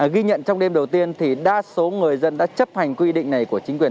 ghi nhận trong đêm đầu tiên thì đa số người dân đã chấp hành quy định này của chính quyền